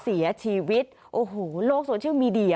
เสียชีวิตโอ้โหโลกโซเชียลมีเดีย